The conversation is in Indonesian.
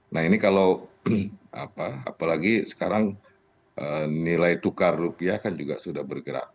nah ini kalau apalagi sekarang nilai tukar rupiah kan juga sudah bergerak